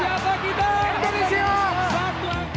indonesia siapa kita indonesia satu anggota